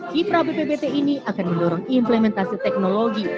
kiprah bppt ini akan mendorong implementasi teknologi